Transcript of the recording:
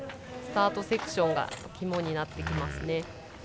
スタートセクションが肝になってきますね。